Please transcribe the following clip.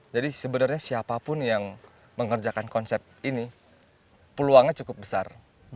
jadi sebenarnya siapapun yang mengerjakan konsep ini peluangnya cukup besar